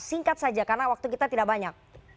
singkat saja karena waktu kita tidak banyak